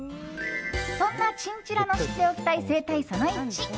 そんなチンチラの知っておきたい生態その１。